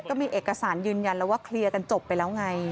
ก็มีเอกสารยืนยันแล้วว่าเคลียร์กันจบไปแล้วไง